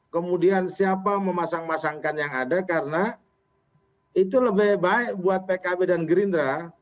kemudian siapa memasang masangkan yang ada karena itu lebih baik buat pkb dan gerindra